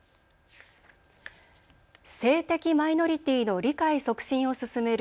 性的マイノリティーの理解促進を進める